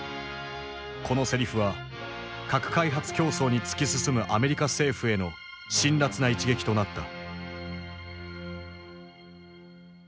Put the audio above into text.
このセリフは核開発競争に突き進むアメリカ政府への辛辣な一撃となった。